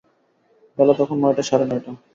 বেলা তখন নয়টা সাড়ে-নয়টা।